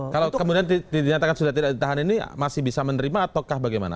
kalau kemudian dinyatakan sudah tidak ditahan ini masih bisa menerima ataukah bagaimana